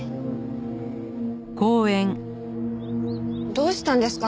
どうしたんですか？